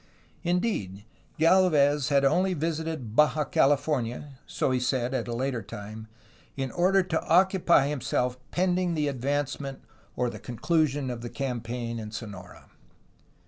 Indeed, Gd^lvez had only visited Baja California, so he said at a later time, in order to occupy himself pending the advancement or the conclusion of the campaign in Sonora.